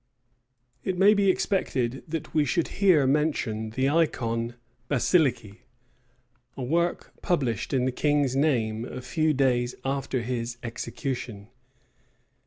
It may be expected that we should here mention the Icon Basiliké, a work published in the king's name a few days after his execution.